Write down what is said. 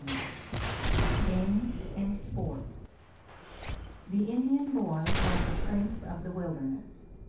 IV GAMES AND SPORTS The Indian boy was a prince of the wilderness.